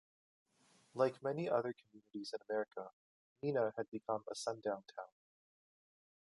Like many other communities in America, Mena had become a sundown town.